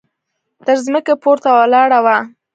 تر ځمکې پورته ولاړه وه.